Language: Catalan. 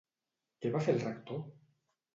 Què va fer el Rector?